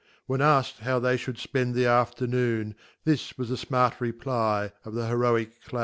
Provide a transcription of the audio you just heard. (When ask'd how they fhoujd fpend the Afternoon) This was the fmart * reply of the Heroick Clown.